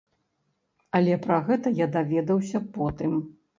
Але пра гэта я даведаўся потым.